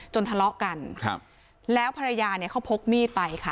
ทะเลาะกันครับแล้วภรรยาเนี่ยเขาพกมีดไปค่ะ